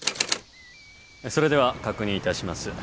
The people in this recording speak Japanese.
それでは確認いたします